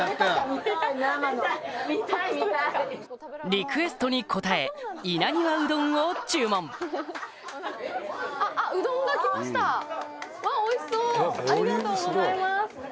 リクエストに応え稲庭うどんを注文ありがとうございます。